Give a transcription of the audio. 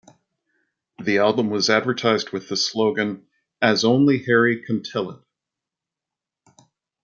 The album was advertised with the slogan: As only Harry can tell it.